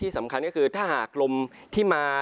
สำคัญก็คือถ้าหากลมที่มา